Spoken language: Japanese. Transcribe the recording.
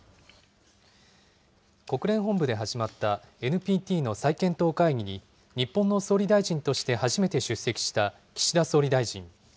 国連本部で始まったＮＰＴの再検討会議に、日本の総理大臣として初めて出席した岸田総理大臣。